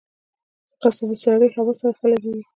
ځغاسته د سړې هوا سره ښه لګیږي